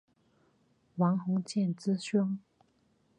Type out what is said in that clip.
王鸿渐之兄。